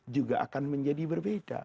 juga akan menjadi berbeda